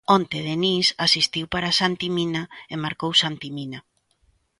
Onte Denis asistiu para Santi Mina e marcou Santi Mina.